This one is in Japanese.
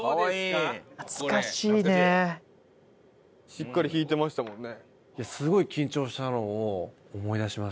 しっかり弾いてましたもんね。